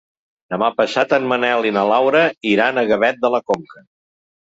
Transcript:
Demà passat en Manel i na Laura iran a Gavet de la Conca.